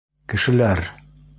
Кешеләр!